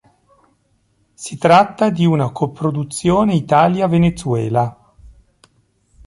Si tratta di una coproduzione Italia-Venezuela.